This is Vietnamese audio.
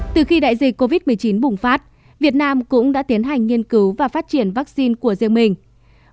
từ khi đại dịch covid một mươi chín bùng phát việt nam cũng đã tiến hành nghiên cứu và phát triển vaccine của riêng mình